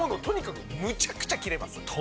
とにかくむちゃくちゃ切れます。